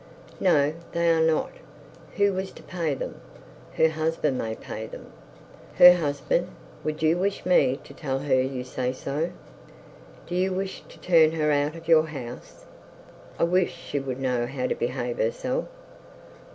'No, they are not. Who was to pay them?' 'Her husband may pay them.' 'Her husband! Would you wish me to tell her you say so? Do you wish to turn her out of your home?' 'I wish she would know how to behave herself.'